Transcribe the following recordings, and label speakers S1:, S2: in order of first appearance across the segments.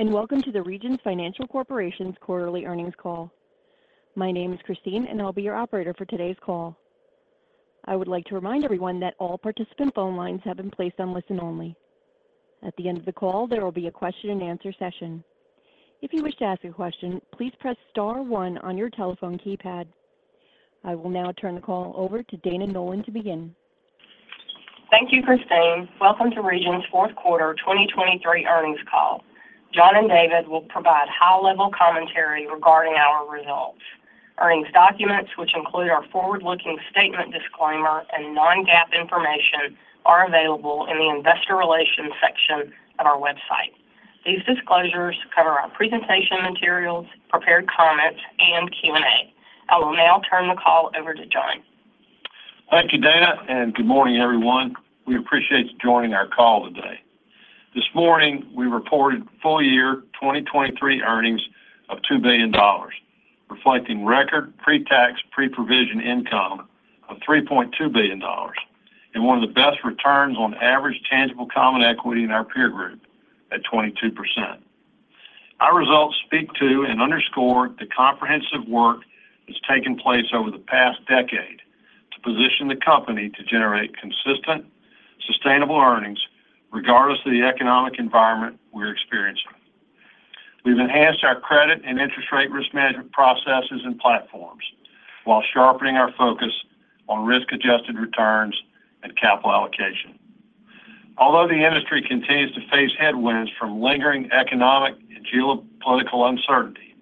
S1: Good morning, and welcome to the Regions Financial Corporation's quarterly earnings call. My name is Christine, and I'll be your operator for today's call. I would like to remind everyone that all participant phone lines have been placed on listen-only. At the end of the call, there will be a question-and-answer session. If you wish to ask a question, please press star one on your telephone keypad. I will now turn the call over to Dana Nolan to begin.
S2: Thank you, Christine. Welcome to Regions' fourth quarter 2023 earnings call. John and David will provide high-level commentary regarding our results. Earnings documents, which include our forward-looking statement disclaimer and non-GAAP information, are available in the Investor Relations section of our website. These disclosures cover our presentation materials, prepared comments, and Q&A. I will now turn the call over to John.
S3: Thank you, Dana, and good morning, everyone. We appreciate you joining our call today. This morning, we reported full year 2023 earnings of $2 billion, reflecting record pretax, pre-provision income of $3.2 billion and one of the best returns on average tangible common equity in our peer group at 22%. Our results speak to and underscore the comprehensive work that's taken place over the past decade to position the company to generate consistent, sustainable earnings regardless of the economic environment we're experiencing. We've enhanced our credit and interest rate risk management processes and platforms while sharpening our focus on risk-adjusted returns and capital allocation. Although the industry continues to face headwinds from lingering economic and geopolitical uncertainty,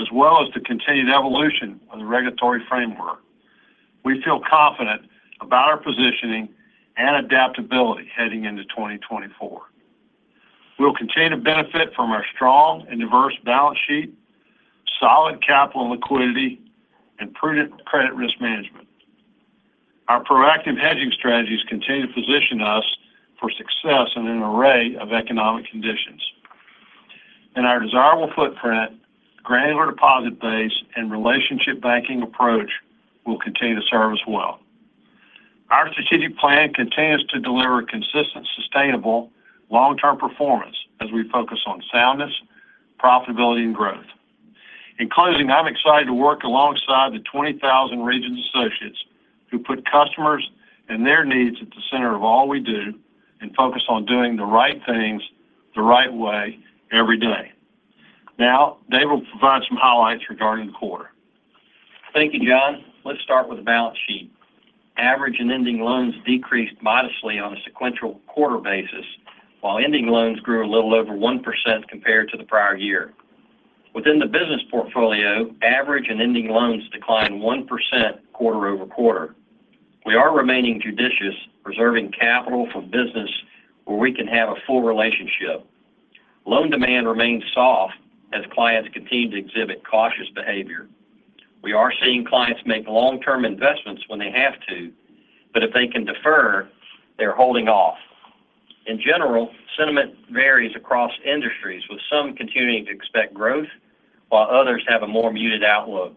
S3: as well as the continued evolution of the regulatory framework, we feel confident about our positioning and adaptability heading into 2024. We'll continue to benefit from our strong and diverse balance sheet, solid capital and liquidity, and prudent credit risk management. Our proactive hedging strategies continue to position us for success in an array of economic conditions, and our desirable footprint, granular deposit base, and relationship banking approach will continue to serve us well. Our strategic plan continues to deliver consistent, sustainable, long-term performance as we focus on soundness, profitability, and growth. In closing, I'm excited to work alongside the 20,000 Regions associates who put customers and their needs at the center of all we do and focus on doing the right things the right way every day. Now, Dave will provide some highlights regarding the quarter.
S4: Thank you, John. Let's start with the balance sheet. Average and ending loans decreased modestly on a sequential-quarter basis, while ending loans grew a little over 1% compared to the prior year. Within the business portfolio, average and ending loans declined 1% quarter-over-quarter. We are remaining judicious, preserving capital for business where we can have a full relationship. Loan demand remains soft as clients continue to exhibit cautious behavior. We are seeing clients make long-term investments when they have to, but if they can defer, they're holding off. In general, sentiment varies across industries, with some continuing to expect growth, while others have a more muted outlook.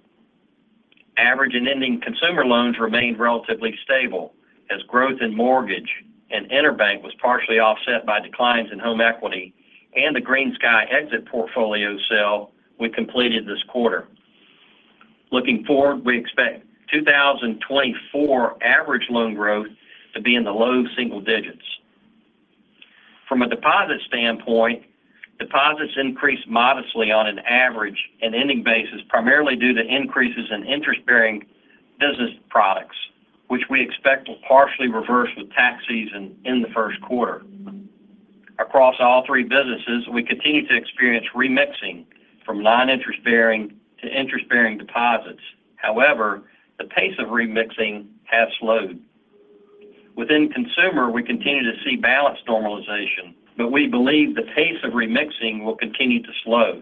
S4: Average and ending consumer loans remained relatively stable as growth in mortgage and EnerBank was partially offset by declines in home equity and the GreenSky exit portfolio sale we completed this quarter. Looking forward, we expect 2024 average loan growth to be in the low single digits. From a deposit standpoint, deposits increased modestly on an average and ending basis, primarily due to increases in interest-bearing business products, which we expect will partially reverse with tax season in the first quarter. Across all three businesses, we continue to experience remixing from non-interest-bearing to interest-bearing deposits. However, the pace of remixing has slowed. Within consumer, we continue to see balance normalization, but we believe the pace of remixing will continue to slow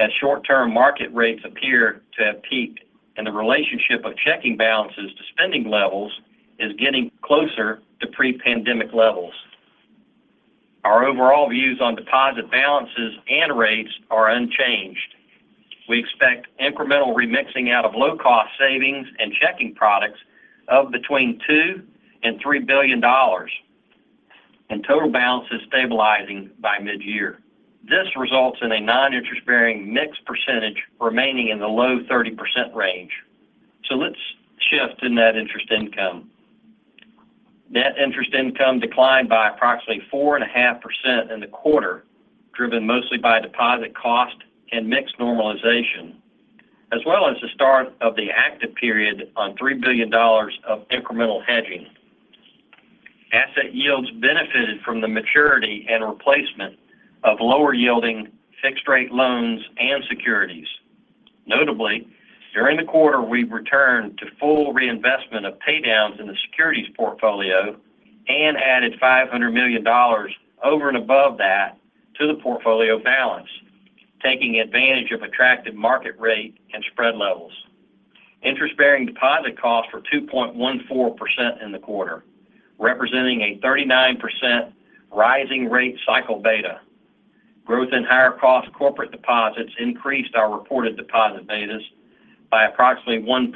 S4: as short-term market rates appear to have peaked, and the relationship of checking balances to spending levels is getting closer to pre-pandemic levels. Our overall views on deposit balances and rates are unchanged. We expect incremental remixing out of low-cost savings and checking products of between $2 billion and $3 billion, and total balances stabilizing by mid-year. This results in a non-interest-bearing mix percentage remaining in the low 30% range. So let's shift to net interest income. Net interest income declined by approximately 4.5% in the quarter, driven mostly by deposit cost and mix normalization, as well as the start of the active period on $3 billion of incremental hedging. Asset yields benefited from the maturity and replacement of lower-yielding fixed-rate loans and securities. Notably, during the quarter, we returned to full reinvestment of paydowns in the securities portfolio and added $500 million over and above that to the portfolio balance, taking advantage of attractive market rate and spread levels. Interest-bearing deposit costs were 2.14% in the quarter, representing a 39% rising rate cycle beta. Growth in higher-cost corporate deposits increased our reported deposit betas by approximately 1%....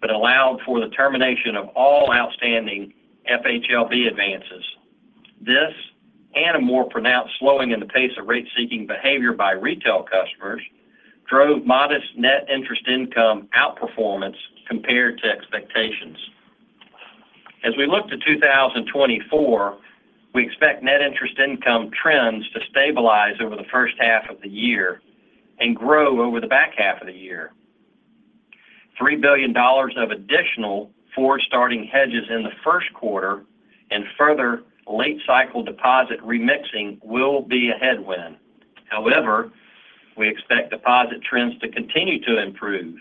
S4: but allowed for the termination of all outstanding FHLB advances. This, and a more pronounced slowing in the pace of rate-seeking behavior by retail customers, drove modest net interest income outperformance compared to expectations. As we look to 2024, we expect net interest income trends to stabilize over the first half of the year and grow over the back half of the year. $3 billion of additional forward-starting hedges in the first quarter and further late cycle deposit remixing will be a headwind. However, we expect deposit trends to continue to improve,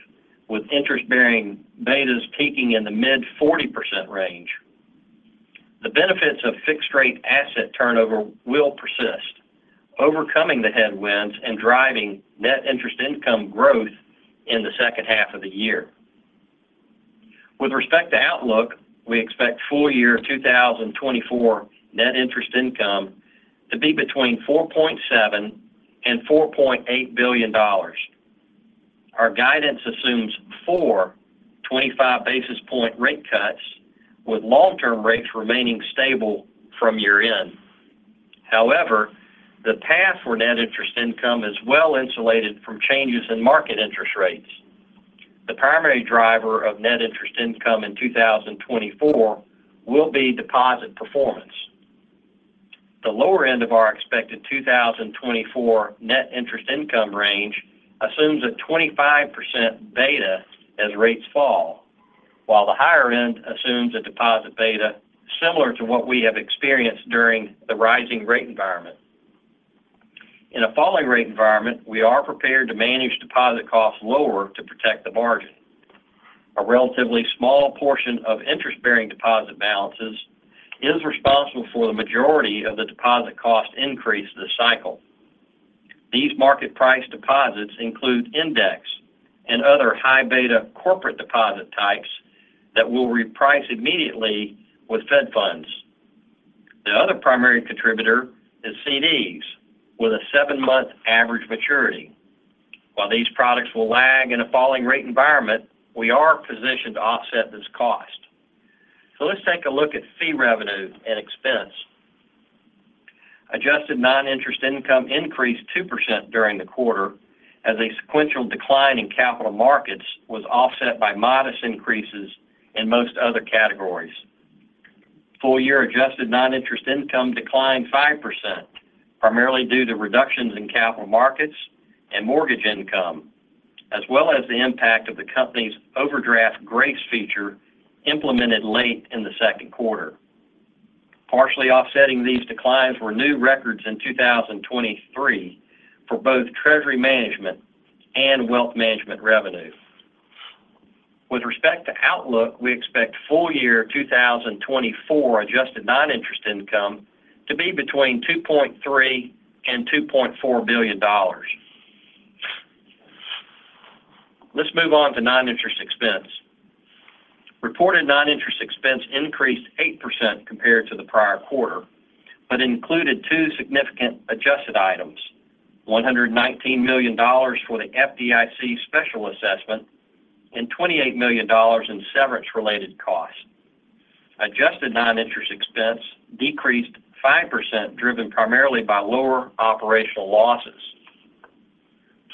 S4: with interest-bearing betas peaking in the mid-40% range. The benefits of fixed rate asset turnover will persist, overcoming the headwinds and driving net interest income growth in the second half of the year. With respect to outlook, we expect full year 2024 net interest income to be between $4.7 billion and $4.8 billion. Our guidance assumes four 25 basis point rate cuts, with long-term rates remaining stable from year-end. However, the path for net interest income is well insulated from changes in market interest rates. The primary driver of net interest income in 2024 will be deposit performance. The lower end of our expected 2024 net interest income range assumes a 25% beta as rates fall, while the higher end assumes a deposit beta similar to what we have experienced during the rising rate environment. In a falling rate environment, we are prepared to manage deposit costs lower to protect the margin. A relatively small portion of interest-bearing deposit balances is responsible for the majority of the deposit cost increase this cycle. These market price deposits include index and other high beta corporate deposit types that will reprice immediately with Fed Funds. The other primary contributor is CDs, with a seven-month average maturity. While these products will lag in a falling rate environment, we are positioned to offset this cost. So let's take a look at fee revenue and expense. Adjusted non-interest income increased 2% during the quarter as a sequential decline in capital markets was offset by modest increases in most other categories. Full-year adjusted non-interest income declined 5%, primarily due to reductions in capital markets and mortgage income, as well as the impact of the company's overdraft grace feature implemented late in the second quarter. Partially offsetting these declines were new records in 2023 for both treasury management and wealth management revenue. With respect to outlook, we expect full year 2024 adjusted non-interest income to be between $2.3 billion and $2.4 billion. Let's move on to non-interest expense. Reported non-interest expense increased 8% compared to the prior quarter, but included two significant adjusted items: $119 million for the FDIC special assessment and $28 million in severance related costs. Adjusted non-interest expense decreased 5%, driven primarily by lower operational losses.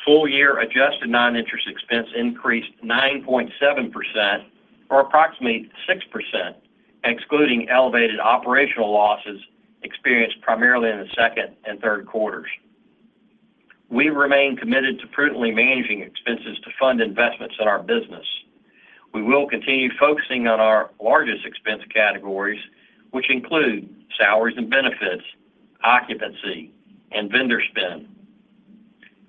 S4: Full year adjusted non-interest expense increased 9.7%, or approximately 6%, excluding elevated operational losses experienced primarily in the second and third quarters. We remain committed to prudently managing expenses to fund investments in our business. We will continue focusing on our largest expense categories, which include salaries and benefits, occupancy, and vendor spend.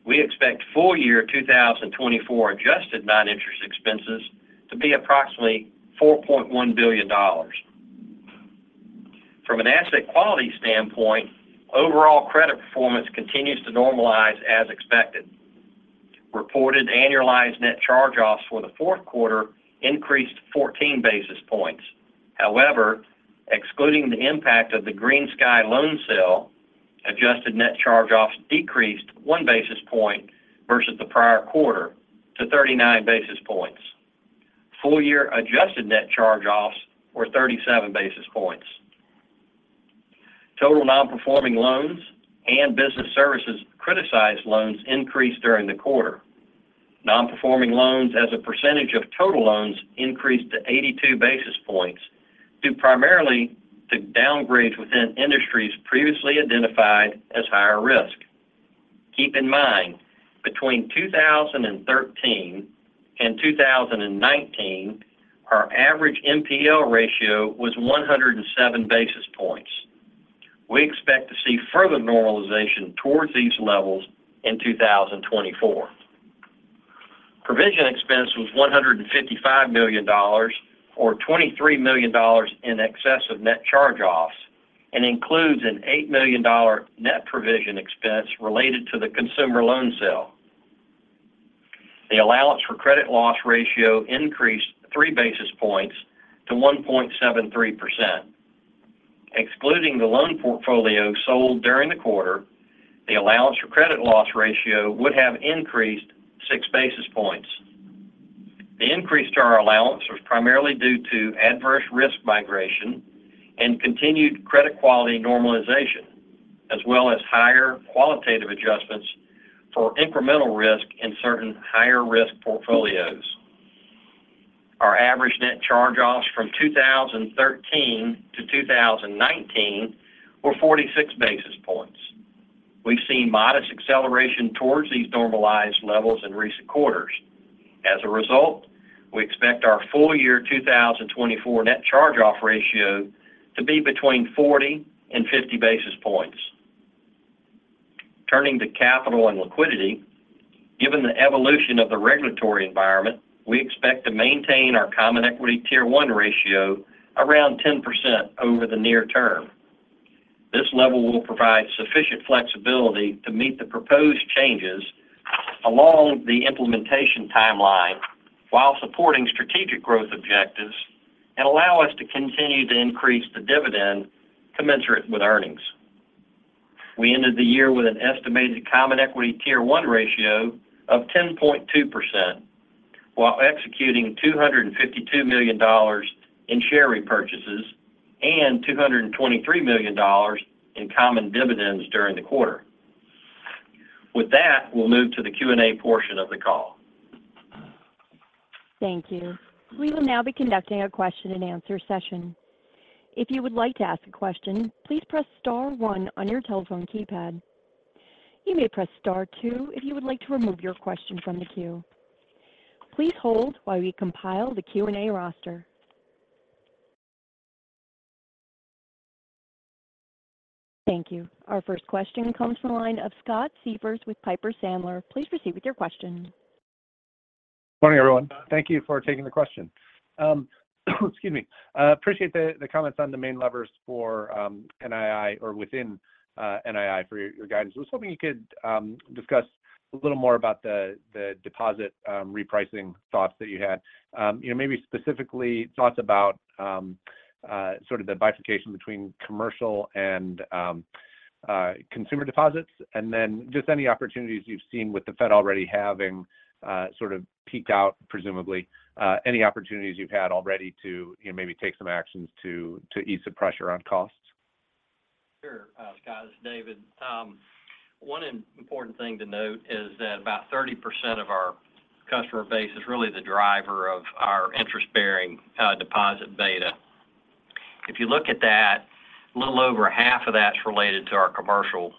S4: We expect full year 2024 adjusted non-interest expenses to be approximately $4.1 billion. From an asset quality standpoint, overall credit performance continues to normalize as expected. Reported annualized net charge-offs for the fourth quarter increased 14 basis points. However, excluding the impact of the GreenSky loan sale, adjusted net charge-offs decreased 1 basis point versus the prior quarter to 39 basis points. Full year adjusted net charge-offs were 37 basis points. Total nonperforming loans and business services criticized loans increased during the quarter. Nonperforming loans as a percentage of total loans increased to 82 basis points, due primarily to downgrades within industries previously identified as higher risk. Keep in mind, between 2013 and 2019, our average NPL ratio was 107 basis points. We expect to see further normalization towards these levels in 2024. Provision expense was $155 million, or $23 million in excess of net charge-offs, and includes an $8 million net provision expense related to the consumer loan sale. The allowance for credit loss ratio increased 3 basis points to 1.73%; excluding the loan portfolio sold during the quarter, the allowance for credit loss ratio would have increased 6 basis points. The increase to our allowance was primarily due to adverse risk migration and continued credit quality normalization, as well as higher qualitative adjustments for incremental risk in certain higher-risk portfolios. Our average net charge-offs from 2013-2019 were 46 basis points. We've seen modest acceleration towards these normalized levels in recent quarters. As a result, we expect our full year 2024 net charge-off ratio to be between 40 and 50 basis points. Turning to capital and liquidity, given the evolution of the regulatory environment, we expect to maintain our Common Equity Tier 1 ratio around 10% over the near term. This level will provide sufficient flexibility to meet the proposed changes along the implementation timeline, while supporting strategic growth objectives and allow us to continue to increase the dividend commensurate with earnings. We ended the year with an estimated Common Equity Tier 1 ratio of 10.2%, while executing $252 million in share repurchases and $223 million in common dividends during the quarter. With that, we'll move to the Q&A portion of the call.
S1: Thank you. We will now be conducting a question-and-answer session. If you would like to ask a question, please press star one on your telephone keypad. You may press star two if you would like to remove your question from the queue. Please hold while we compile the Q&A roster. Thank you. Our first question comes from the line of Scott Siefers with Piper Sandler. Please proceed with your question.
S5: Morning, everyone. Thank you for taking the question. Excuse me. Appreciate the, the comments on the main levers for, NII or within, NII for your, your guidance. I was hoping you could, discuss a little more about the, the deposit, repricing thoughts that you had. You know, maybe specifically thoughts about, sort of the bifurcation between commercial and, consumer deposits, and then just any opportunities you've seen with the Fed already having, sort of peaked out, presumably, any opportunities you've had already to, you know, maybe take some actions to, to ease the pressure on costs.
S4: Sure, Scott, this is David. One important thing to note is that about 30% of our customer base is really the driver of our interest-bearing deposit beta. If you look at that, a little over half of that is related to our commercial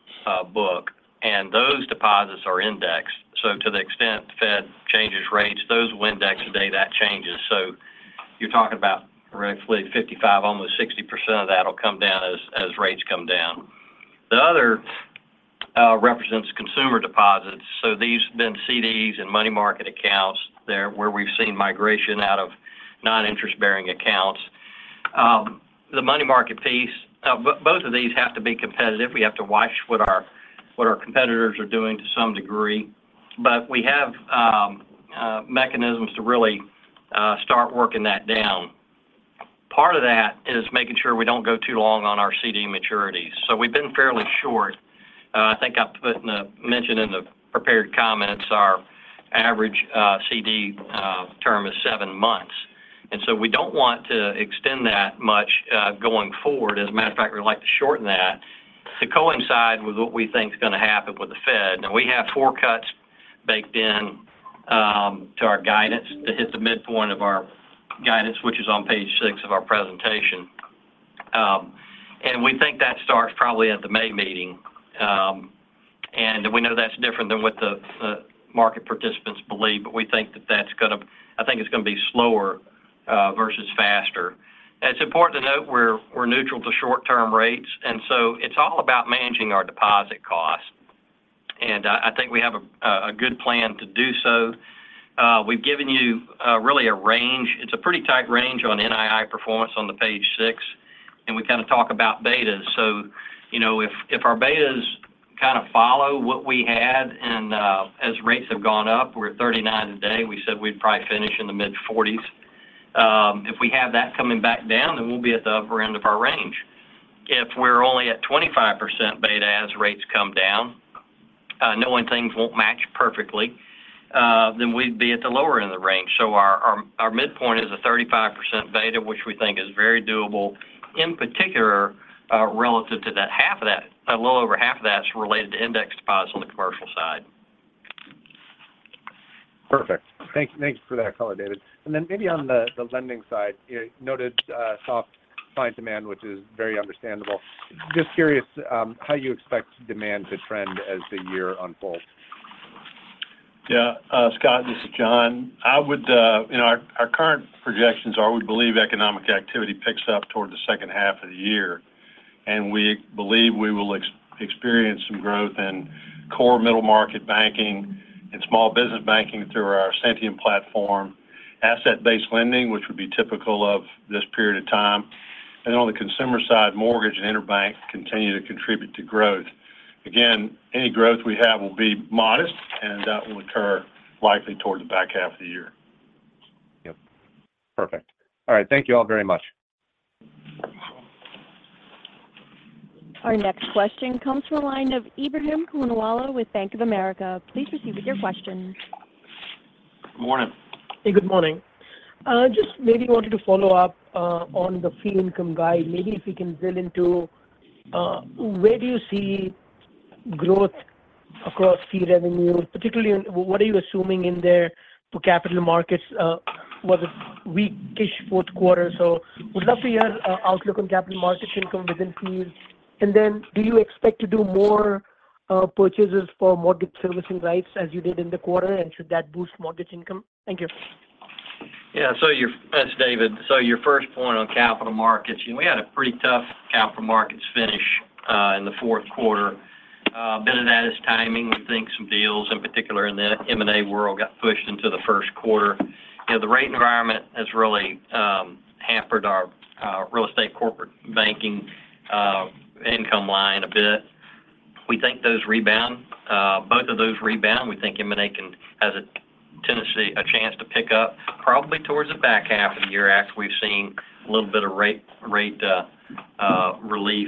S4: book, and those deposits are indexed. So to the extent Fed changes rates, those will index the day that changes. So you're talking about roughly 55, almost 60% of that will come down as rates come down. The other represents consumer deposits, so these have been CDs and money market accounts there, where we've seen migration out of non-interest-bearing accounts. The money market piece both of these have to be competitive. We have to watch what our competitors are doing to some degree, but we have mechanisms to really start working that down. Part of that is making sure we don't go too long on our CD maturities. So we've been fairly short. I think I mentioned in the prepared comments, our average CD term is seven months, and so we don't want to extend that much going forward. As a matter of fact, we'd like to shorten that to coincide with what we think is going to happen with the Fed. Now, we have four cuts baked in to our guidance, to hit the midpoint of our guidance, which is on page six of our presentation. And we think that starts probably at the May meeting. And we know that's different than what the market participants believe, but we think that that's gonna-I think it's gonna be slower versus faster. It's important to note we're neutral to short-term rates, and so it's all about managing our deposit costs, and I think we have a good plan to do so. We've given you really a range. It's a pretty tight range on NII performance on page six, and we kind of talk about betas. So you know, if our betas kind of follow what we had and as rates have gone up, we're at 39 today, we said we'd probably finish in the mid-40s. If we have that coming back down, then we'll be at the upper end of our range. If we're only at 25% beta as rates come down, knowing things won't match perfectly, then we'd be at the lower end of the range. So our midpoint is a 35% beta, which we think is very doable, in particular, relative to that, half of that, a little over half of that is related to index deposits on the commercial side.
S5: Perfect. Thanks for that clarity, David. And then maybe on the lending side, you noted soft client demand, which is very understandable. Just curious how you expect demand to trend as the year unfolds?
S3: Yeah, Scott, this is John. I would, you know, our current projections are, we believe economic activity picks up toward the second half of the year, and we believe we will experience some growth in core middle-market banking and small business banking through our Ascentium platform, asset-based lending, which would be typical of this period of time. And then on the consumer side, mortgage and Enerbank continue to contribute to growth. Again, any growth we have will be modest, and that will occur likely toward the back half of the year. Yep. Perfect. All right, thank you all very much.
S1: Our next question comes from the line of Ebrahim Poonawala with Bank of America. Please proceed with your question.
S4: Good morning.
S6: Hey, good morning. Just maybe wanted to follow up on the fee income guide. Maybe if you can drill into where do you see growth across fee revenue, particularly on, what are you assuming in there for capital markets? It was a weak-ish fourth quarter, so would love to hear outlook on capital markets income within fees. And then do you expect to do more purchases for mortgage servicing rights as you did in the quarter? And should that boost mortgage income? Thank you.
S4: Yeah. So your—it's David. So your first point on capital markets, you know, we had a pretty tough capital markets finish in the fourth quarter. A bit of that is timing. We think some deals, in particular in the M&A world, got pushed into the first quarter. You know, the rate environment has really hampered our real estate corporate banking income line a bit. We think those rebound, both of those rebound. We think M&A can has a tendency, a chance to pick up probably towards the back half of the year after we've seen a little bit of rate relief,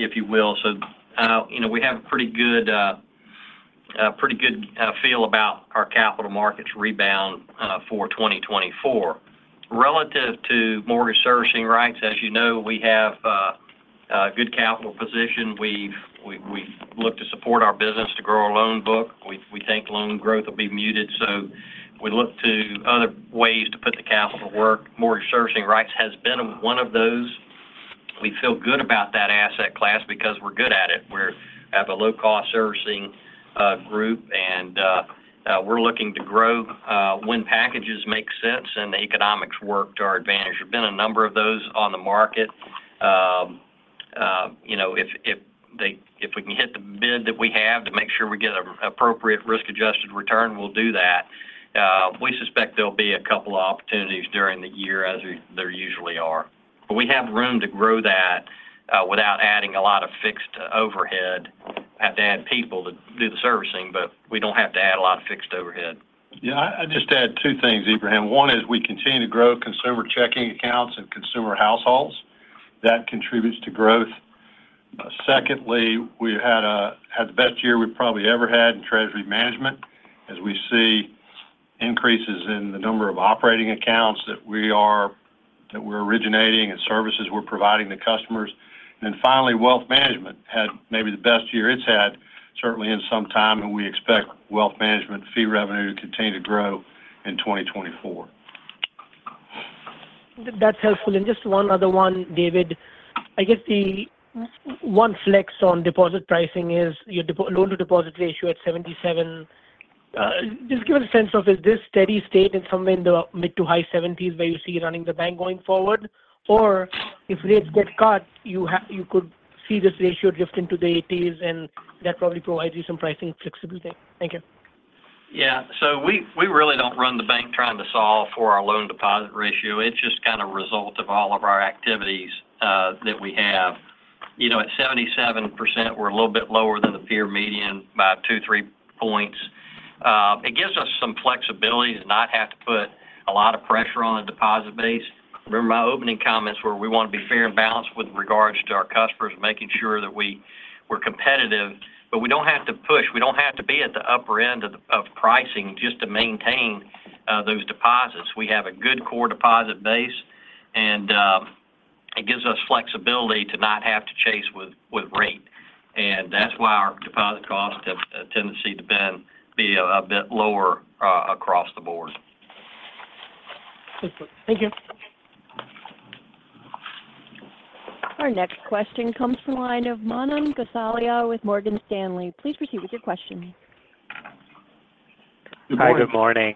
S4: if you will. So, you know, we have a pretty good, a pretty good feel about our capital markets rebound for 2024. Relative to mortgage servicing rights, as you know, we have a good capital position. We've looked to support our business to grow our loan book. We think loan growth will be muted, so we look to other ways to put the capital to work. Mortgage servicing rights has been one of those. We feel good about that asset class because we're good at it. We're at a low-cost servicing group, and we're looking to grow when packages make sense and the economics work to our advantage. There have been a number of those on the market. You know, if we can hit the bid that we have to make sure we get an appropriate risk-adjusted return, we'll do that. We suspect there'll be a couple of opportunities during the year, as we-- there usually are. But we have room to grow that, without adding a lot of fixed overhead. We have to add people to do the servicing, but we don't have to add a lot of fixed overhead.
S3: Yeah, I'd just add two things, Ebrahim. One is we continue to grow consumer checking accounts and consumer households. That contributes to growth. Secondly, we had the best year we've probably ever had in treasury management as we see increases in the number of operating accounts that we're originating and services we're providing to customers. And then finally, wealth management had maybe the best year it's had, certainly in some time, and we expect wealth management fee revenue to continue to grow in 2024.
S6: That's helpful. And just one other one, David. I guess the one flex on deposit pricing is your deposit loan-to-deposit ratio at 77. Just give us a sense of, is this steady state in somewhere in the mid- to high 70s, where you see it running the bank going forward? Or if rates get cut, you could see this ratio drift into the 80s, and that probably provides you some pricing flexibility. Thank you.
S4: Yeah. So we, we really don't run the bank trying to solve for our loan-to-deposit ratio. It's just kind of a result of all of our activities that we have. You know, at 77%, we're a little bit lower than the peer median by 2-3 points. It gives us some flexibility to not have to put a lot of pressure on the deposit base. Remember my opening comments, where we want to be fair and balanced with regards to our customers, making sure that we're competitive, but we don't have to push. We don't have to be at the upper end of pricing just to maintain those deposits. We have a good core deposit base, and it gives us flexibility to not have to chase with rate. And that's why our deposit costs have a tendency to be a bit lower across the board.
S6: Excellent. Thank you.
S1: Our next question comes from the line of Manan Gosalia with Morgan Stanley. Please proceed with your question.
S7: Hi, good morning.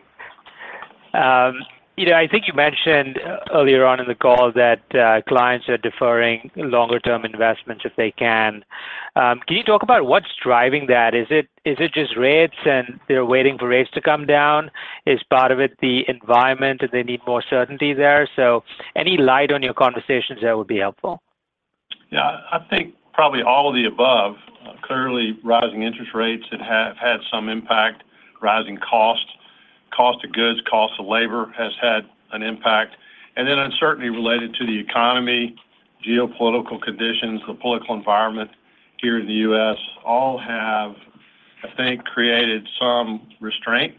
S7: You know, I think you mentioned earlier on in the call that clients are deferring longer-term investments if they can. Can you talk about what's driving that? Is it just rates, and they're waiting for rates to come down? Is part of it the environment, and they need more certainty there? So any light on your conversations there would be helpful.
S3: Yeah, I think probably all of the above. Clearly, rising interest rates have had some impact. Rising costs, cost of goods, cost of labor has had an impact. And then uncertainty related to the economy, geopolitical conditions, the political environment here in the U.S. all have, I think, created some restraint.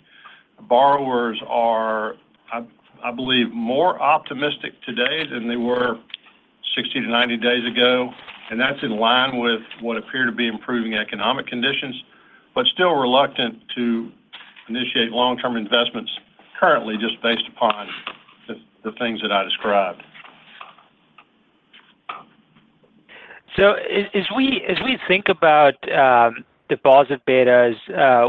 S3: Borrowers are, I, I believe, more optimistic today than they were 60-90 days ago, and that's in line with what appear to be improving economic conditions, but still reluctant to initiate long-term investments currently just based upon the, the things that I described.
S7: So as we think about deposit betas,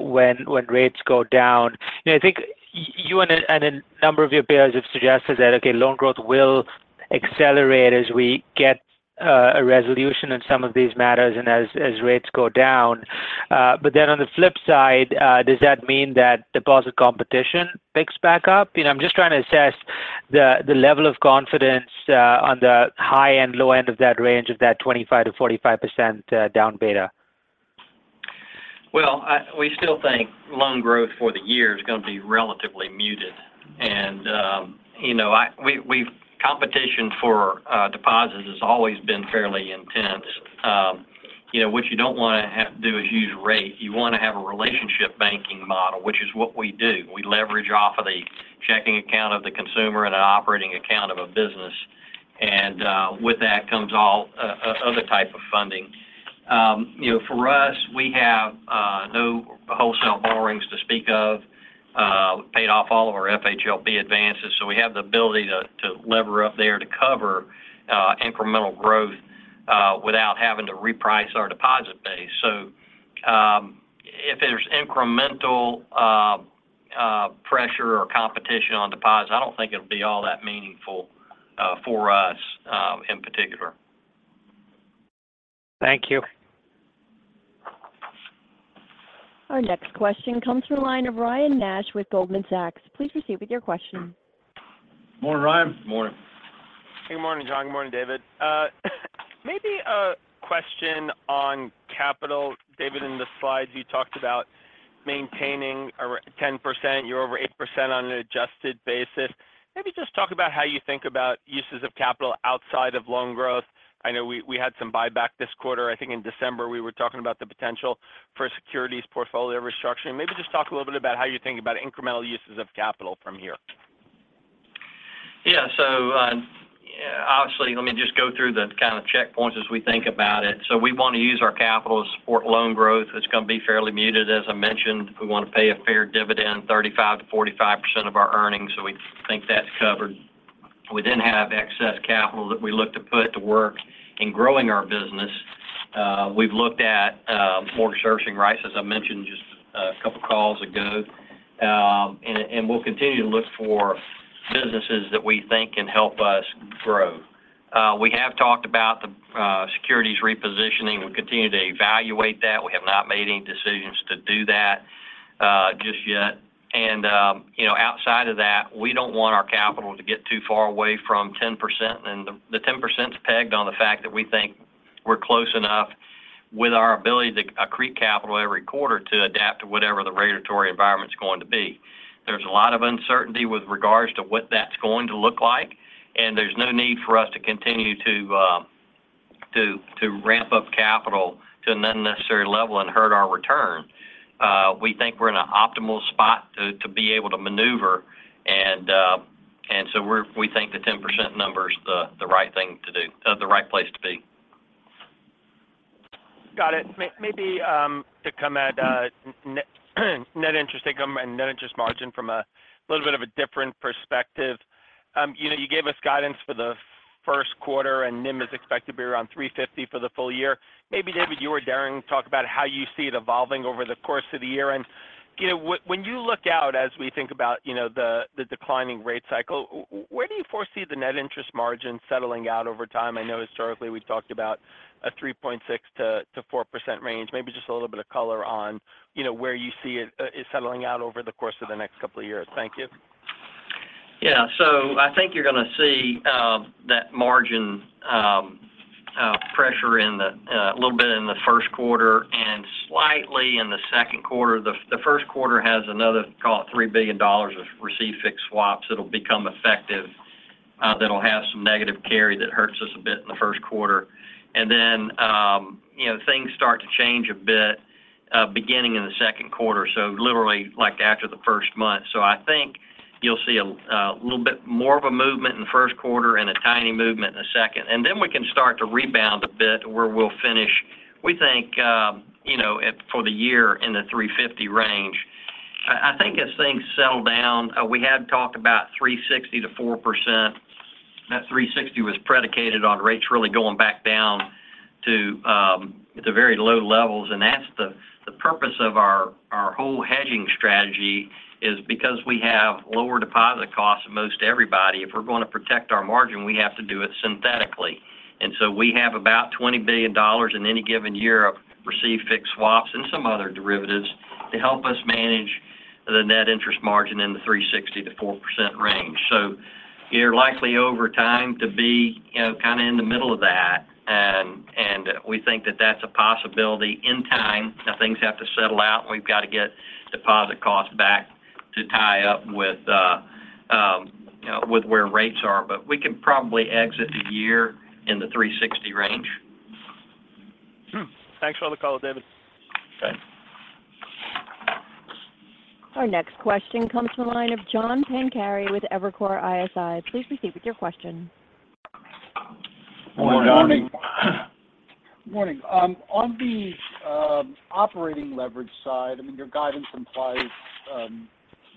S7: when rates go down, you know, I think you and a number of your peers have suggested that, okay, loan growth will accelerate as we get a resolution on some of these matters and as rates go down. But then on the flip side, does that mean that deposit competition picks back up? You know, I'm just trying to assess the level of confidence on the high and low end of that range of that 25%-45% down beta.
S4: ...Well, we still think loan growth for the year is going to be relatively muted. And, you know, competition for deposits has always been fairly intense. You know, what you don't want to have, do is use rate. You want to have a relationship banking model, which is what we do. We leverage off of the checking account of the consumer and an operating account of a business, and, with that comes all other type of funding. You know, for us, we have no wholesale borrowings to speak of, paid off all of our FHLB advances. So we have the ability to lever up there to cover incremental growth without having to reprice our deposit base. If there's incremental pressure or competition on deposits, I don't think it'll be all that meaningful for us in particular.
S7: Thank you.
S1: Our next question comes from the line of Ryan Nash with Goldman Sachs. Please proceed with your question.
S4: Morning, Ryan.
S3: Morning.
S8: Good morning, John. Good morning, David. Maybe a question on capital. David, in the slides, you talked about maintaining around 10%, you're over 8% on an adjusted basis. Maybe just talk about how you think about uses of capital outside of loan growth. I know we had some buyback this quarter. I think in December, we were talking about the potential for a securities portfolio restructuring. Maybe just talk a little bit about how you think about incremental uses of capital from here.
S4: Yeah. So, obviously, let me just go through the kind of checkpoints as we think about it. So we want to use our capital to support loan growth. It's going to be fairly muted, as I mentioned. We want to pay a fair dividend, 35%-45% of our earnings, so we think that's covered. We then have excess capital that we look to put to work in growing our business. We've looked at, mortgage servicing rights, as I mentioned just a couple of calls ago, and we'll continue to look for businesses that we think can help us grow. We have talked about the, securities repositioning. We continue to evaluate that. We have not made any decisions to do that, just yet. You know, outside of that, we don't want our capital to get too far away from 10%, and the 10% is pegged on the fact that we think we're close enough with our ability to create capital every quarter to adapt to whatever the regulatory environment is going to be. There's a lot of uncertainty with regards to what that's going to look like, and there's no need for us to continue to ramp up capital to an unnecessary level and hurt our return. We think we're in an optimal spot to be able to maneuver, and so we're, we think the 10% number is the right thing to do, the right place to be.
S8: Got it. Maybe to come at net interest income and net interest margin from a little bit of a different perspective. You know, you gave us guidance for the first quarter, and NIM is expected to be around 3.50% for the full year. Maybe, David, you or Dana, talk about how you see it evolving over the course of the year. And, you know, when you look out as we think about, you know, the declining rate cycle, where do you foresee the net interest margin settling out over time? I know historically we've talked about a 3.6%-4% range. Maybe just a little bit of color on, you know, where you see it settling out over the course of the next couple of years. Thank you.
S4: Yeah. So I think you're going to see that margin pressure a little bit in the first quarter and slightly in the second quarter. The first quarter has another, call it $3 billion of receive-fixed swaps that'll become effective, that'll have some negative carry that hurts us a bit in the first quarter. And then, you know, things start to change a bit beginning in the second quarter, so literally, like after the first month. So I think you'll see a little bit more of a movement in the first quarter and a tiny movement in the second. And then we can start to rebound a bit where we'll finish, we think, you know, at—for the year in the 3.50 range. I think as things settle down, we had talked about 3.60%-4%. That 3.60% was predicated on rates really going back down to very low levels, and that's the purpose of our whole hedging strategy is because we have lower deposit costs than most everybody, if we're going to protect our margin, we have to do it synthetically. And so we have about $20 billion in any given year of receive-fixed swaps and some other derivatives to help us manage the net interest margin in the 3.60%-4% range. So you're likely, over time, to be, you know, kind of in the middle of that, and we think that that's a possibility in time. Now, things have to settle out, and we've got to get deposit costs back to tie up with, you know, with where rates are. But we can probably exit the year in the 360 range.
S8: Hmm, thanks for the call, David.
S4: Okay.
S1: Our next question comes from the line of John Pancari with Evercore ISI. Please proceed with your question.
S4: Morning, John.
S9: Morning. Morning. On the operating leverage side, I mean, your guidance implies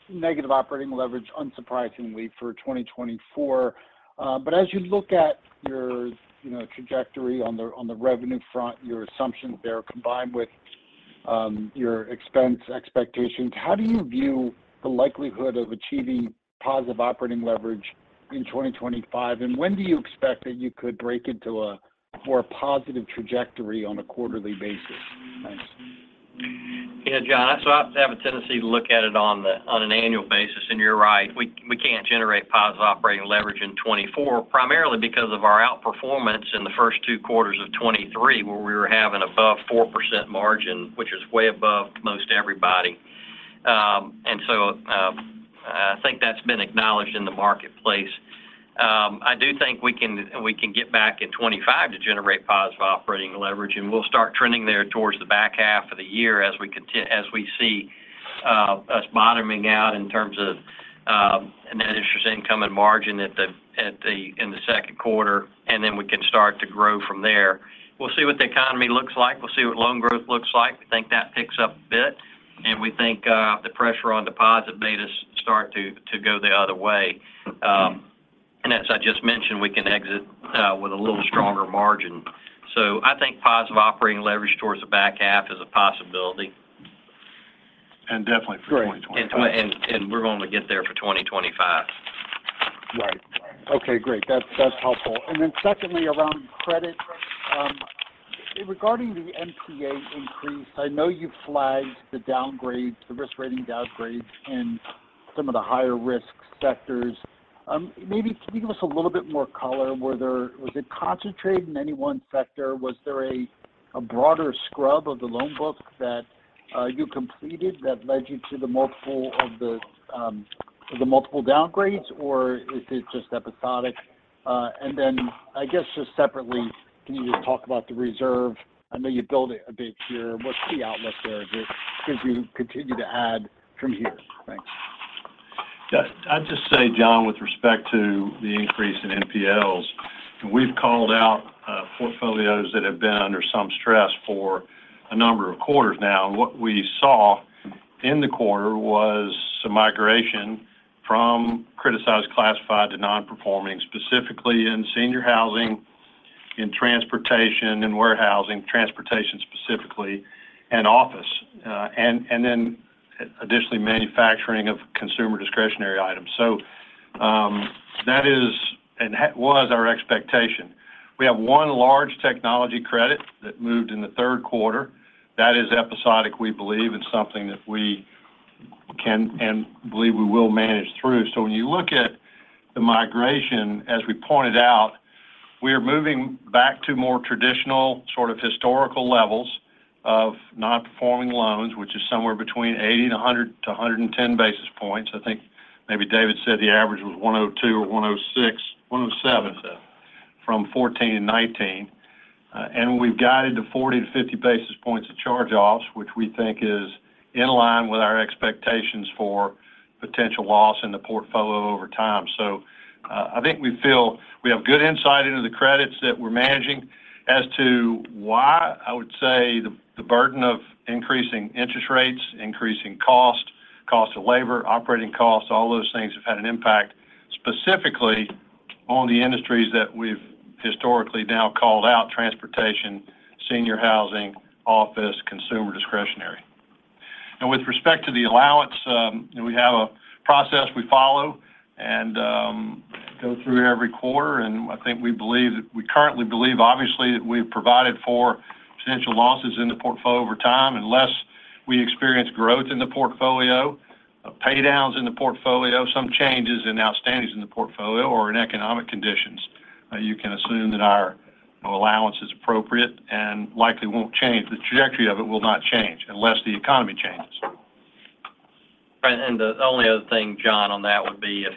S9: negative operating leverage, unsurprisingly, for 2024. But as you look at your, you know, trajectory on the revenue front, your assumptions there, combined with your expense expectations, how do you view the likelihood of achieving positive operating leverage in 2025? And when do you expect that you could break into a more positive trajectory on a quarterly basis? Thanks.
S4: Yeah, John, so I have a tendency to look at it on an annual basis, and you're right, we can't generate positive operating leverage in 2024, primarily because of our outperformance in the first two quarters of 2023, where we were having above 4% margin, which is way above most everybody. And so, I think that's been acknowledged in the marketplace. I do think we can get back in 2025 to generate positive operating leverage, and we'll start trending there towards the back half of the year as we see us bottoming out in terms of net interest income and margin at the in the second quarter, and then we can start to grow from there. We'll see what the economy looks like. We'll see what loan growth looks like. We think that picks up a bit, and we think the pressure on deposit beta start to go the other way. And as I just mentioned, we can exit with a little stronger margin. So I think positive operating leverage towards the back half is a possibility.
S3: Definitely for 2025.
S4: And we're going to get there for 2025.
S9: Right. Okay, great. That's, that's helpful. And then secondly, around credit, regarding the NPA increase, I know you've flagged the downgrade, the risk rating downgrades in some of the higher risk sectors. Maybe can you give us a little bit more color? Was it concentrated in any one sector? Was there a broader scrub of the loan book that you completed that led you to the multiple of the, the multiple downgrades, or is it just episodic? And then I guess, just separately, can you just talk about the reserve? I know you built it a bit here. What's the outlook there? Could you continue to add from here? Thanks.
S3: Yeah. I'd just say, John, with respect to the increase in NPLs, we've called out portfolios that have been under some stress for a number of quarters now. And what we saw in the quarter was some migration from criticized, classified to non-performing, specifically in senior housing, in transportation and warehousing, transportation specifically, and office, and then additionally, manufacturing of consumer discretionary items. So, that is, and that was our expectation. We have one large technology credit that moved in the third quarter. That is episodic, we believe, and something that we can and believe we will manage through. So when you look at the migration, as we pointed out, we are moving back to more traditional, sort of historical levels of non-performing loans, which is somewhere between 80-110 basis points. I think maybe David said the average was 102 or 106, 107-
S4: Seven...
S3: from 14-19. And we've guided to 40-50 basis points of charge-offs, which we think is in line with our expectations for potential loss in the portfolio over time. So, I think we feel we have good insight into the credits that we're managing. As to why, I would say the burden of increasing interest rates, increasing cost, cost of labor, operating costs, all those things have had an impact, specifically on the industries that we've historically now called out: transportation, senior housing, office, consumer discretionary. Now, with respect to the allowance, we have a process we follow and go through every quarter, and I think we believe that, we currently believe obviously, that we've provided for potential losses in the portfolio over time, unless we experience growth in the portfolio, pay downs in the portfolio, some changes in outstandings in the portfolio or in economic conditions. You can assume that our allowance is appropriate and likely won't change. The trajectory of it will not change unless the economy changes.
S4: Right. And the only other thing, John, on that would be if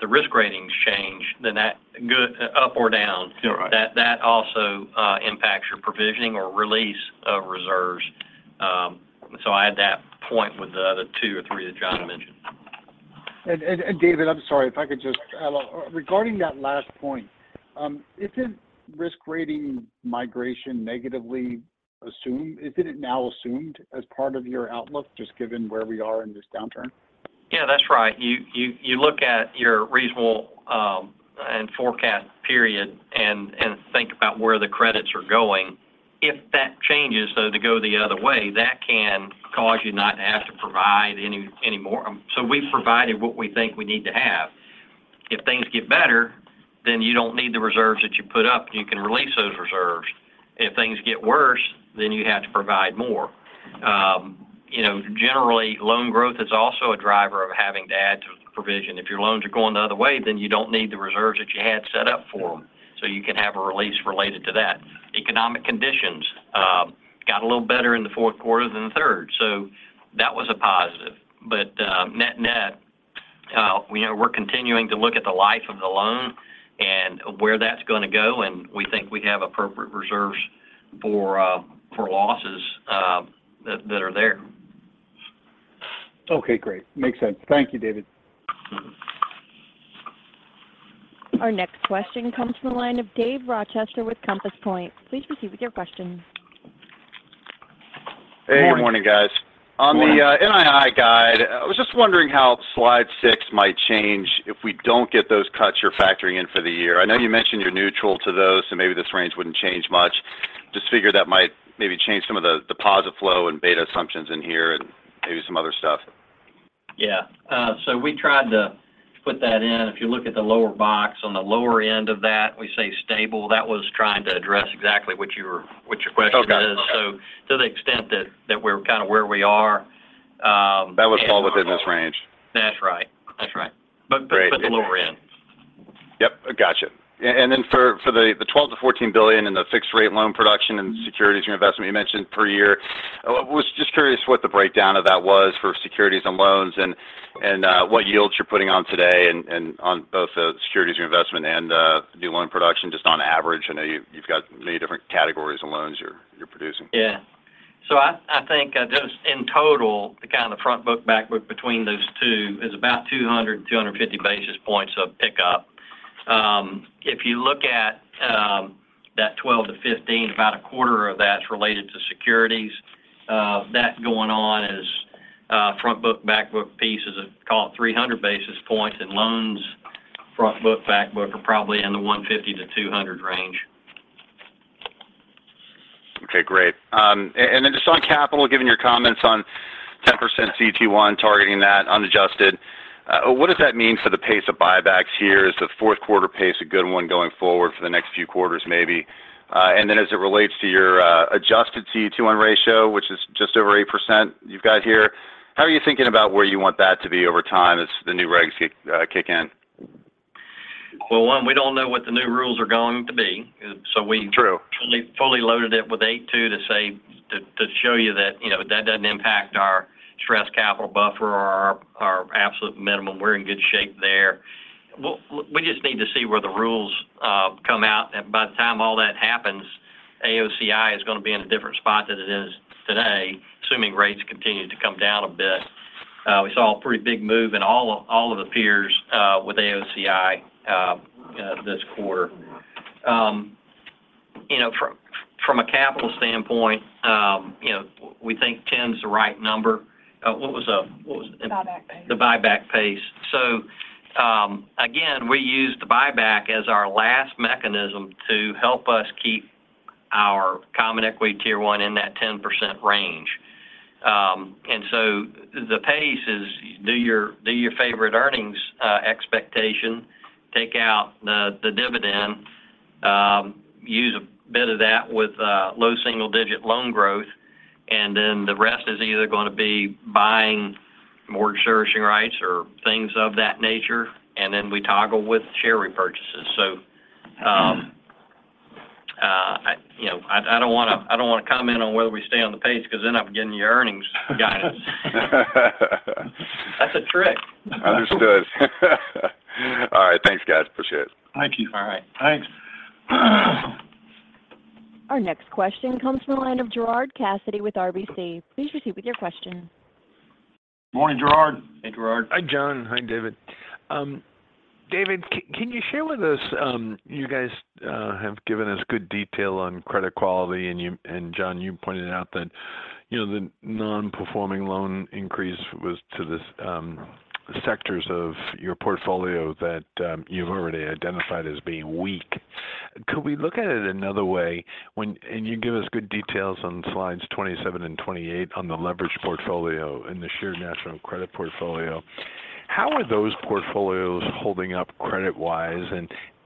S4: the risk ratings change, then that go up or down-
S3: You're right...
S4: that, that also impacts your provisioning or release of reserves. So I add that point with the other two or three that John mentioned.
S9: David, I'm sorry, if I could just add on. Regarding that last point, isn't risk rating migration negatively assumed? Isn't it now assumed as part of your outlook, just given where we are in this downturn?
S4: Yeah, that's right. You look at your reasonable and forecast period and think about where the credits are going. If that changes, so to go the other way, that can cause you not to have to provide any more. So we've provided what we think we need to have. If things get better, then you don't need the reserves that you put up, and you can release those reserves. If things get worse, then you have to provide more. You know, generally, loan growth is also a driver of having to add to provision. If your loans are going the other way, then you don't need the reserves that you had set up for them, so you can have a release related to that. Economic conditions got a little better in the fourth quarter than the third, so that was a positive. But, net-net, you know, we're continuing to look at the life of the loan and where that's going to go, and we think we have appropriate reserves for losses that are there.
S9: Okay, great. Makes sense. Thank you, David.
S1: Our next question comes from the line of David Rochester with Compass Point. Please proceed with your question.
S10: Hey, good morning, guys.
S4: Good morning.
S10: On the NII guide, I was just wondering how slide six might change if we don't get those cuts you're factoring in for the year. I know you mentioned you're neutral to those, so maybe this range wouldn't change much. Just figure that might maybe change some of the deposit flow and beta assumptions in here and maybe some other stuff.
S4: Yeah. So we tried to put that in. If you look at the lower box on the lower end of that, we say stable. That was trying to address exactly what your, what your question is.
S10: Okay.
S4: So to the extent that, that we're kind of where we are, and-
S10: That was fall within this range.
S4: That's right.
S10: …And then for the $12 billion-$14 billion in the fixed-rate loan production and securities investment you mentioned per year, I was just curious what the breakdown of that was for securities and loans and what yields you're putting on today and on both the securities investment and new loan production, just on average? I know you've got many different categories of loans you're producing.
S4: Yeah. So I think just in total, the kind of front book, back book between those two is about 200-250 basis points of pickup. If you look at that 12-15, about a quarter of that's related to securities. That going on as a front book, back book piece is, call it 300 basis points in loans. Front book, back book are probably in the 150-200 range.
S10: Okay, great. And then just on capital, given your comments on 10% CET1, targeting that unadjusted, what does that mean for the pace of buybacks here? Is the fourth quarter pace a good one going forward for the next few quarters, maybe? And then as it relates to your adjusted CET1 ratio, which is just over 8% you've got here, how are you thinking about where you want that to be over time as the new regs kick in?
S4: Well, one, we don't know what the new rules are going to be, so we-
S10: True...
S4: Fully, fully loaded it with 8.2 to say, to show you that, you know, that doesn't impact our Stress Capital Buffer or our absolute minimum. We're in good shape there. We just need to see where the rules come out, and by the time all that happens, AOCI is going to be in a different spot than it is today, assuming rates continue to come down a bit. We saw a pretty big move in all of the peers with AOCI this quarter. You know, from a capital standpoint, you know, we think 10's the right number. What was the, what was the-
S2: Buyback pace.
S4: The buyback pace. So, again, we use the buyback as our last mechanism to help us keep our Common Equity Tier 1 in that 10% range. And so the pace is, do your favorite earnings expectation, take out the dividend, use a bit of that with low single-digit loan growth, and then the rest is either going to be buying mortgage servicing rights or things of that nature, and then we toggle with share repurchases. So, you know, I don't want to comment on whether we stay on the pace because then I'm giving you earnings guidance. That's a trick.
S10: Understood. All right, thanks, guys. Appreciate it.
S3: Thank you.
S4: All right.
S3: Thanks.
S1: Our next question comes from the line of Gerard Cassidy with RBC. Please proceed with your question.
S3: Morning, Gerard.
S4: Hey, Gerard.
S11: Hi, John. Hi, David. David, can you share with us, you guys have given us good detail on credit quality, and John, you pointed out that, you know, the non-performing loan increase was to the sectors of your portfolio that you've already identified as being weak. Could we look at it another way when and you give us good details on slides 27 and 28 on the leveraged portfolio and the Shared National Credit portfolio. How are those portfolios holding up credit-wise?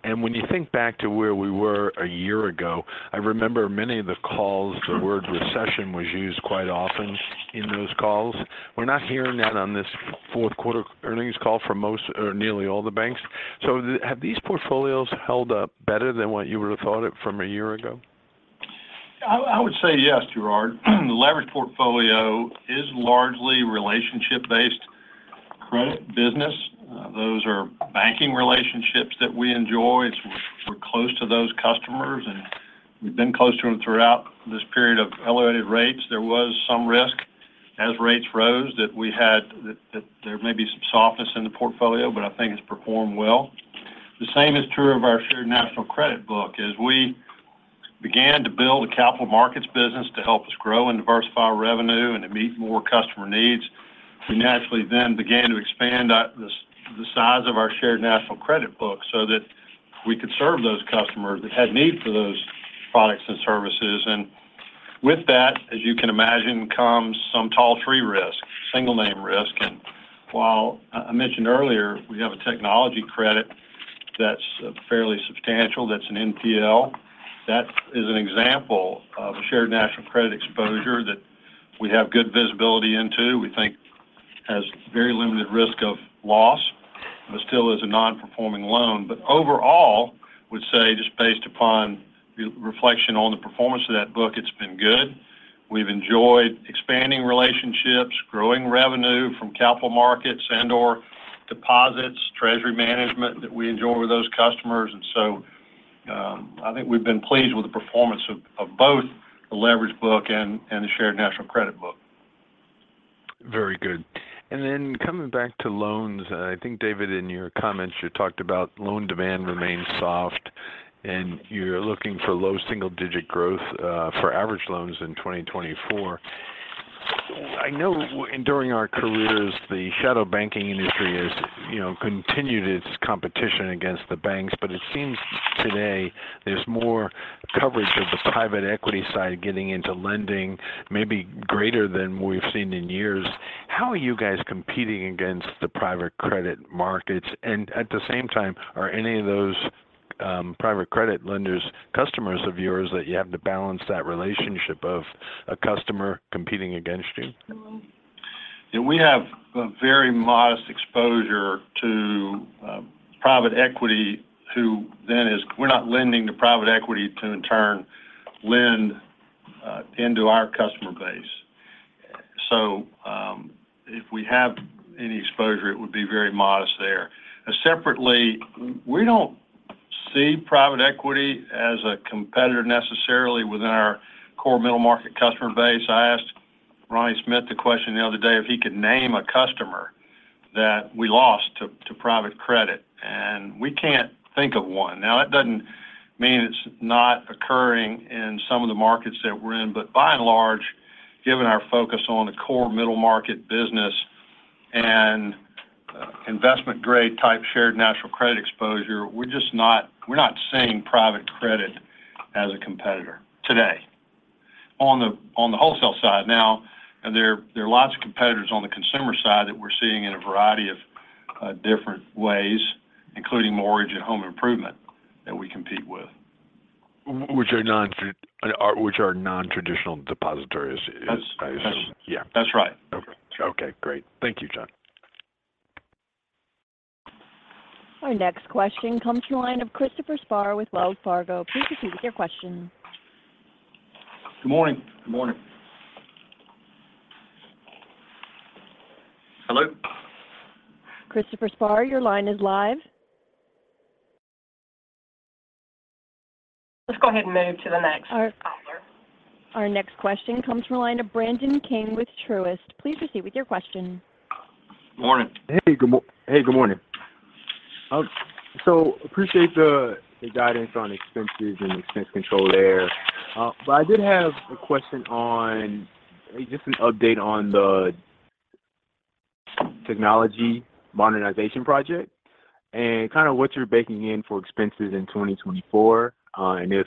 S11: And when you think back to where we were a year ago, I remember many of the calls, the word recession was used quite often in those calls. We're not hearing that on this fourth quarter earnings call from most or nearly all the banks. So have these portfolios held up better than what you would have thought it from a year ago?
S3: I would say yes, Gerard. The leveraged portfolio is largely relationship-based credit business. Those are banking relationships that we enjoy. We're close to those customers, and we've been close to them throughout this period of elevated rates. There was some risk as rates rose, that there may be some softness in the portfolio, but I think it's performed well. The same is true of our Shared National Credit book. As we began to build a capital markets business to help us grow and diversify our revenue and to meet more customer needs, we naturally then began to expand out the size of our Shared National Credit book so that we could serve those customers that had need for those products and services. And with that, as you can imagine, comes some tall tree risk, single name risk. And while I mentioned earlier, we have a technology credit that's fairly substantial, that's an NPL. That is an example of a Shared National Credit exposure that we have good visibility into, we think has very limited risk of loss, but still is a non-performing loan. But overall, I would say, just based upon the reflection on the performance of that book, it's been good. We've enjoyed expanding relationships, growing revenue from capital markets and/or deposits, treasury management that we enjoy with those customers. And so, I think we've been pleased with the performance of both the leveraged book and the Shared National Credit book.
S11: Very good. And then coming back to loans, I think, David, in your comments, you talked about loan demand remains soft, and you're looking for low single-digit growth for average loans in 2024. I know during our careers, the shadow banking industry has, you know, continued its competition against the banks, but it seems today there's more coverage of the private equity side getting into lending, maybe greater than we've seen in years. How are you guys competing against the private credit markets? And at the same time, are any of those private credit lenders, customers of yours, that you have to balance that relationship of a customer competing against you?...
S3: And we have a very modest exposure to private equity, who then is-- we're not lending to private equity to in turn lend into our customer base. So, if we have any exposure, it would be very modest there. And separately, we don't see private equity as a competitor necessarily within our core middle-market customer base. I asked Ronnie Smith the question the other day if he could name a customer that we lost to private credit, and we can't think of one. Now, that doesn't mean it's not occurring in some of the markets that we're in. But by and large, given our focus on the core middle-market business and investment-grade type Shared National Credit exposure, we're just not seeing private credit as a competitor today on the wholesale side. Now, there, there are lots of competitors on the consumer side that we're seeing in a variety of different ways, including mortgage and home improvement, that we compete with.
S11: Which are non-traditional depositories
S3: That's-
S11: Yeah.
S3: That's right.
S11: Okay. Okay, great. Thank you, John.
S1: Our next question comes from the line of Christopher Spahr with Wells Fargo. Please proceed with your question.
S4: Good morning.
S3: Good morning. Hello?
S1: Christopher Spahr, your line is live.
S2: Let's go ahead and move to the next caller.
S1: Our next question comes from the line of Brandon King with Truist. Please proceed with your question.
S4: Morning.
S12: Hey, good morning. So appreciate the guidance on expenses and expense control there. But I did have a question on, just an update on the technology modernization project and kind of what you're baking in for expenses in 2024. And if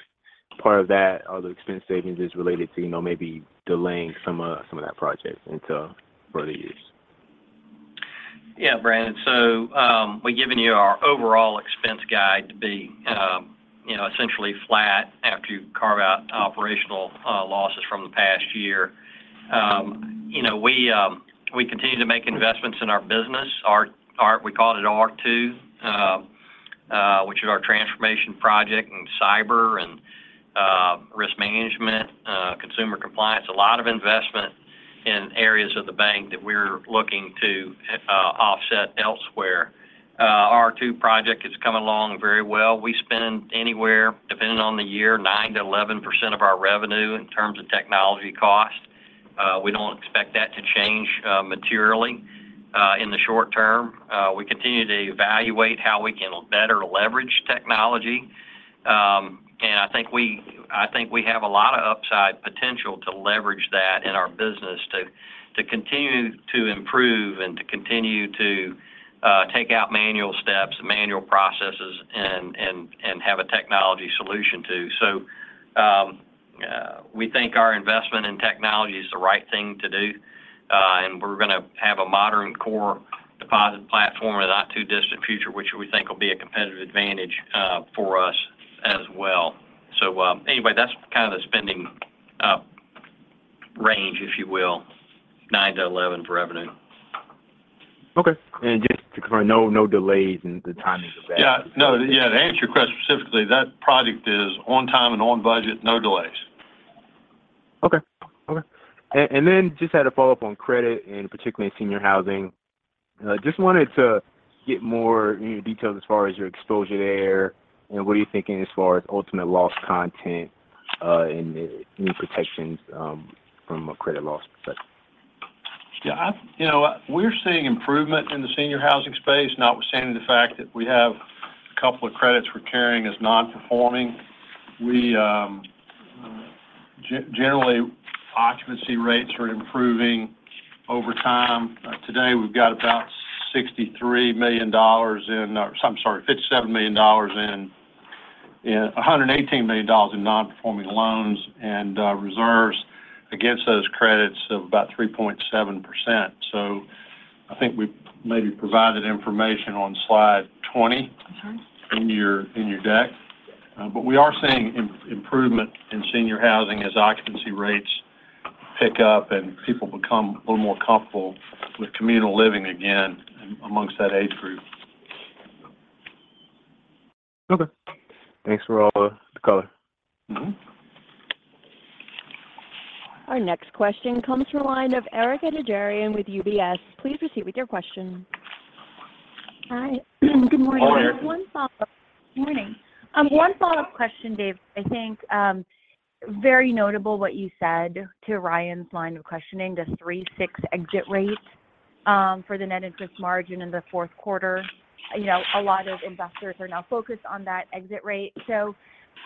S12: part of that, or the expense savings is related to, you know, maybe delaying some of that project until further years.
S4: Yeah, Brandon, so, we've given you our overall expense guide to be, you know, essentially flat after you carve out operational losses from the past year. You know, we continue to make investments in our business, our – we called it R2, which is our transformation project in cyber and risk management, consumer compliance. A lot of investment in areas of the bank that we're looking to offset elsewhere. R2 project is coming along very well. We spend anywhere, depending on the year, 9%-11% of our revenue in terms of technology cost. We don't expect that to change materially in the short term. We continue to evaluate how we can better leverage technology. And I think we have a lot of upside potential to leverage that in our business to continue to improve and take out manual steps, manual processes, and have a technology solution, too. So, we think our investment in technology is the right thing to do, and we're going to have a modern core deposit platform in the not-too-distant future, which we think will be a competitive advantage for us as well. So, anyway, that's kind of the spending range, if you will, 9-11 for revenue.
S12: Okay. Just to confirm, no, no delays in the timing of that?
S3: Yeah, no. Yeah, to answer your question specifically, that project is on time and on budget. No delays.
S12: Okay. Okay. And, and then just had a follow-up on credit and particularly in senior housing. Just wanted to get more details as far as your exposure there, and what are you thinking as far as ultimate loss content, and any protections from a credit loss perspective?
S3: Yeah, you know, we're seeing improvement in the senior housing space, notwithstanding the fact that we have a couple of credits we're carrying as non-performing. We generally, occupancy rates are improving over time. Today, we've got about $63 million in, or I'm sorry, $57 million in, and $118 million in non-performing loans and reserves against those credits of about 3.7%. So I think we maybe provided information on slide 20-
S12: Mm-hmm...
S3: in your, in your deck. But we are seeing improvement in senior housing as occupancy rates pick up and people become a little more comfortable with communal living again amongst that age group.
S12: Okay. Thanks for all the color.
S3: Mm-hmm.
S1: Our next question comes from the line of Erika Najarian with UBS. Please proceed with your question.
S13: Hi. Good morning.
S3: Good morning.
S13: One follow-up. Morning. One follow-up question, Dave. I think very notable what you said to Ryan's line of questioning, the 3.6 exit rate for the net interest margin in the fourth quarter. You know, a lot of investors are now focused on that exit rate. So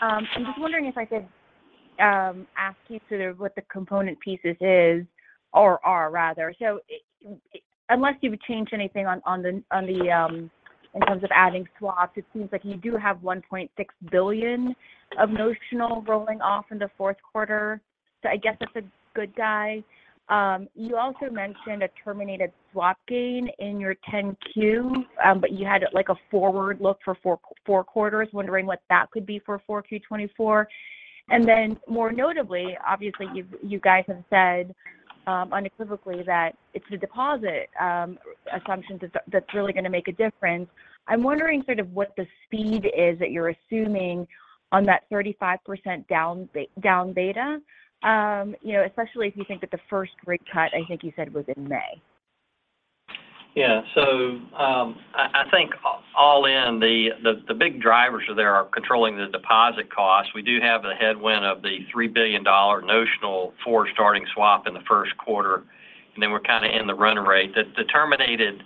S13: I'm just wondering if I could ask you sort of what the component pieces is, or are, rather. So unless you've changed anything on the in terms of adding swaps, it seems like you do have $1.6 billion of notional rolling off in the fourth quarter. So I guess that's a good guide. You also mentioned a terminated swap gain in your 10-Q, but you had, like, a forward look for four quarters. Wondering what that could be for 4Q24?... And then more notably, obviously, you've, you guys have said unequivocally that it's the deposit assumption that's really going to make a difference. I'm wondering sort of what the speed is that you're assuming on that 35% down beta, you know, especially if you think that the first rate cut, I think you said, was in May.
S4: Yeah. So, I think all in, the big drivers are controlling the deposit costs. We do have the headwind of the $3 billion notional forward-starting swap in the first quarter, and then we're kind of in the run rate. The terminated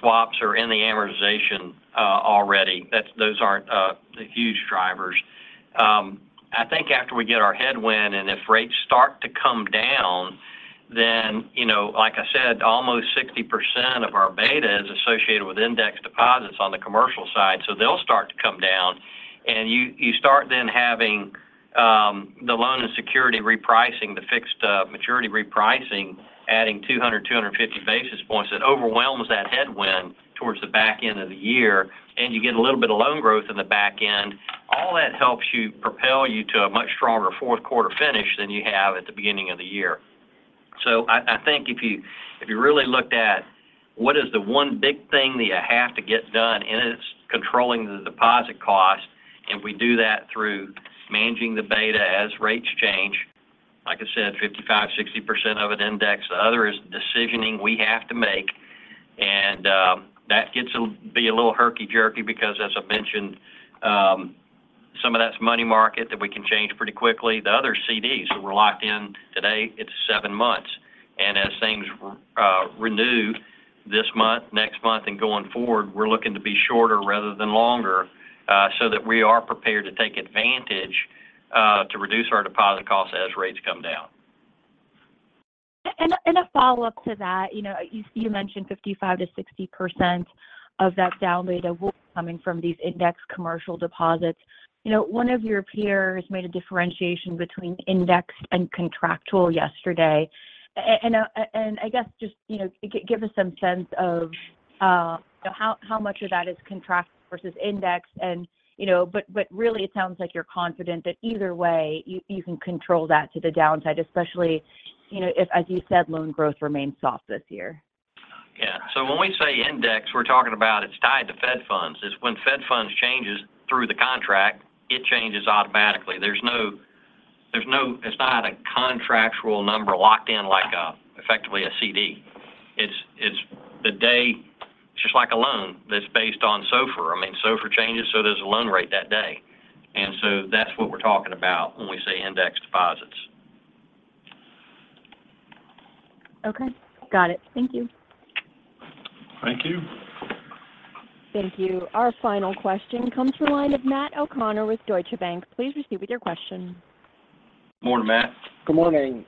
S4: swaps are in the amortization already. That's. Those aren't the huge drivers. I think after we get our headwind, and if rates start to come down, then, you know, like I said, almost 60% of our beta is associated with indexed deposits on the commercial side, so they'll start to come down, and you start then having the loan and security repricing, the fixed maturity repricing, adding 200-250 basis points. That overwhelms that headwind towards the back end of the year, and you get a little bit of loan growth in the back end. All that helps you propel you to a much stronger fourth quarter finish than you have at the beginning of the year. So I think if you really looked at what is the one big thing that you have to get done. And it's controlling the deposit cost, and we do that through managing the beta as rates change. Like I said, 55%-60% of it indexed. The other is decisioning we have to make, and that gets to be a little herky-jerky because as I mentioned, some of that's money market that we can change pretty quickly. The other, CDs, so we're locked in. Today, it's seven months, and as things renew this month, next month, and going forward, we're looking to be shorter rather than longer, so that we are prepared to take advantage, to reduce our deposit costs as rates come down.
S13: And a follow-up to that, you know, you mentioned 55%-60% of that down beta will be coming from these index commercial deposits. You know, one of your peers made a differentiation between indexed and contractual yesterday. And I guess just, you know, give us some sense of how much of that is contract versus indexed and, you know, but really it sounds like you're confident that either way, you can control that to the downside, especially, you know, if, as you said, loan growth remains soft this year.
S4: Yeah. So when we say index, we're talking about it's tied to Fed Funds. It's when Fed Funds changes through the contract, it changes automatically. There's no, there's no. It's not a contractual number locked in, like a, effectively a CD. It's the day, just like a loan that's based on SOFR. I mean, SOFR changes, so does the loan rate that day. And so that's what we're talking about when we say index deposits.
S13: Okay. Got it. Thank you.
S3: Thank you.
S1: Thank you. Our final question comes from the line of Matthew O'Connor with Deutsche Bank. Please proceed with your question.
S4: Morning, Matthew.
S14: Good morning.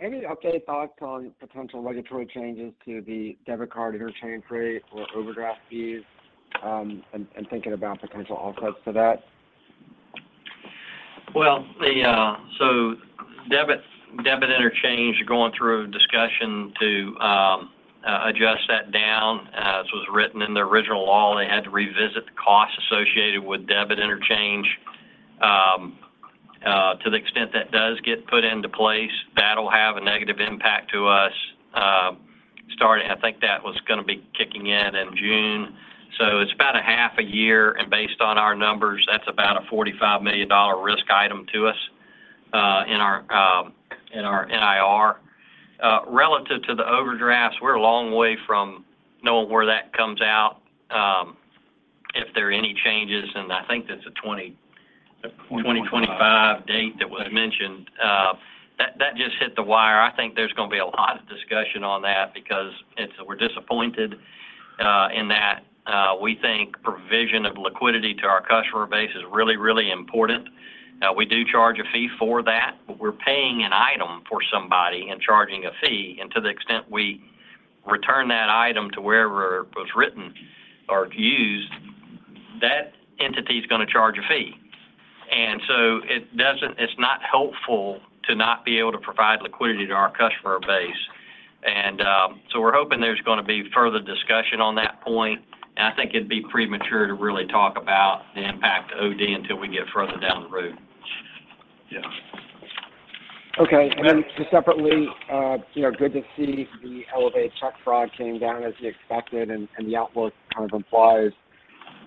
S14: Any update, thoughts on potential regulatory changes to the debit card interchange rate or overdraft fees, and thinking about potential offsets to that?
S4: Well, so debit interchange are going through a discussion to adjust that down. As was written in the original law, they had to revisit the costs associated with debit interchange. To the extent that does get put into place, that'll have a negative impact to us. Starting—I think that was going to be kicking in in June, so it's about a half a year, and based on our numbers, that's about a $45 million risk item to us, in our NIR. Relative to the overdrafts, we're a long way from knowing where that comes out, if there are any changes, and I think that's a twenty-
S3: Twenty-five.
S4: 2025 date that was mentioned. That just hit the wire. I think there's going to be a lot of discussion on that because it's, we're disappointed in that. We think provision of liquidity to our customer base is really, really important. We do charge a fee for that, but we're paying an item for somebody and charging a fee, and to the extent we return that item to wherever it was written or used, that entity is going to charge a fee. And so it doesn't, it's not helpful to not be able to provide liquidity to our customer base. So we're hoping there's going to be further discussion on that point. I think it'd be premature to really talk about the impact to OD until we get further down the road.
S3: Yeah.
S14: Okay. And then just separately, you know, good to see the elevated check fraud came down as you expected, and the outlook kind of implies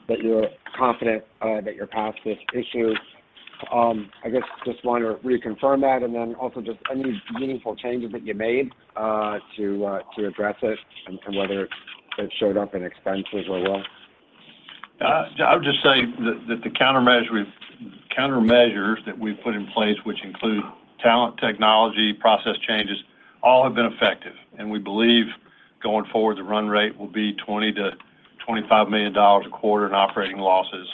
S14: that you're confident that you're past this issue. I guess just wanted to reconfirm that and then also just any meaningful changes that you made to address it and whether it showed up in expenses or well?
S3: I would just say that, that the countermeasure, countermeasures that we've put in place, which include talent, technology, process changes, all have been effective. And we believe going forward, the run rate will be $20 million-$25 million a quarter in operating losses,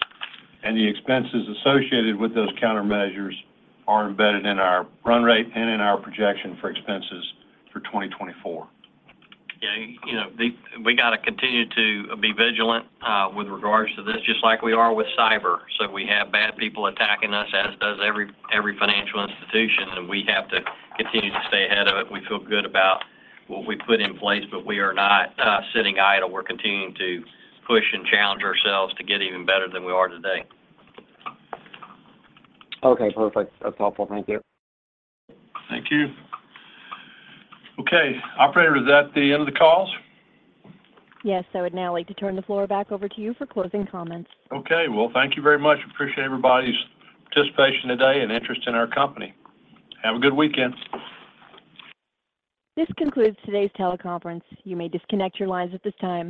S3: and the expenses associated with those countermeasures are embedded in our run rate and in our projection for expenses for 2024.
S4: Yeah, you know, we got to continue to be vigilant with regards to this, just like we are with cyber. So we have bad people attacking us, as does every financial institution, and we have to continue to stay ahead of it. We feel good about what we put in place, but we are not sitting idle. We're continuing to push and challenge ourselves to get even better than we are today.
S14: Okay, perfect. That's helpful. Thank you.
S3: Thank you. Okay, operator, is that the end of the calls?
S1: Yes, I would now like to turn the floor back over to you for closing comments.
S3: Okay, well, thank you very much. Appreciate everybody's participation today and interest in our company. Have a good weekend.
S1: This concludes today's teleconference. You may disconnect your lines at this time.